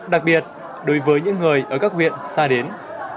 đặc biệt đối với những người ở các huyện xa đến